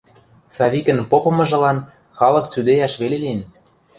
Савикӹн попымыжылан халык цӱдейӓш веле лин.